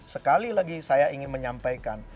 sekali lagi saya ingin menyampaikan